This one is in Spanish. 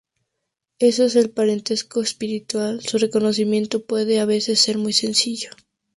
Eso es el parentesco espiritual… Su reconocimiento puede a veces ser muy sencillo.